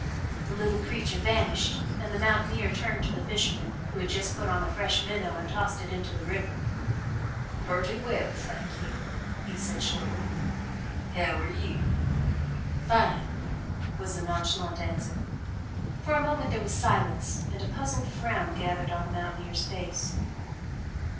The little creature vanished and the mountaineer turned to the fisherman, who had just put on a fresh minnow and tossed it into the river. "Purty well, thank you," he said shortly. "How are you?" "Fine!" was the nonchalant answer. For a moment there was silence and a puzzled frown gathered on the mountaineer's face.